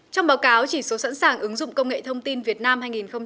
trong báo cáo chỉ số sẵn sàng ứng dụng công nghệ thông tin việt nam hai nghìn một mươi chín